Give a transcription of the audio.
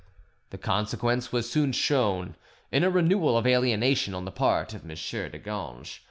The consequence was soon shown in a renewal of alienation on the part of M. de Ganges.